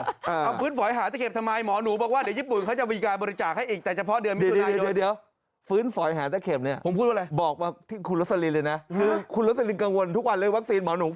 เอาฟื้นฝอยหาตะเข็มทำไมหมอหนูบอกว่าเดี๋ยวญี่ปุ่นเขาจะมีการบริจาคให้อีกแต่เฉพาะเดือนมิถุนายน